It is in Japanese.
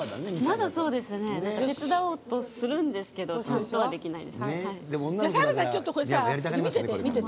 まだ手伝おうとはするんですけどちゃんとはできないですね。